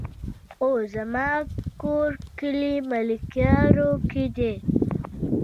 وو زما کور کلي ملكيارو کې دی